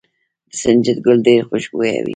د سنجد ګل ډیر خوشبويه وي.